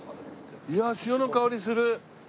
いやあ潮の香りする！